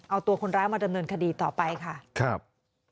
เอาตัวคนร้ายมาดำเนินคดีต่อไปค่ะครับ